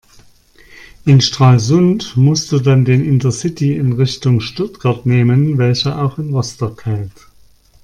In Stralsund musst du dann den Intercity in Richtung Stuttgart nehmen, welcher auch in Rostock hält.